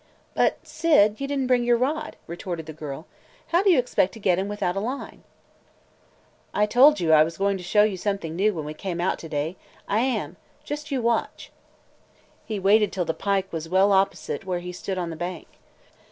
"But, Syd, you did n't bring your rod," retorted the girl. "How do you expect to get him without a line?" "I told you I was going to show you something new when we came out to day. I am. Just you watch!" He waited till the pike was well opposite where he stood on the bank.